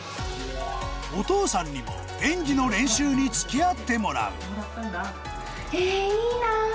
お父さんにも演技の練習に付き合ってもらう「えいいな！」。